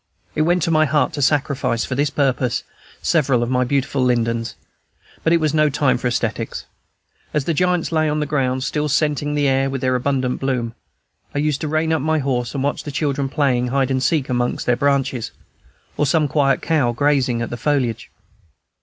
It went to my heart to sacrifice, for this purpose, several of my beautiful lindens; but it was no time for aesthetics. As the giants lay on the ground, still scenting the air with their abundant bloom, I used to rein up my horse and watch the children playing hide and seek amongst their branches, or some quiet cow grazing at the foliage.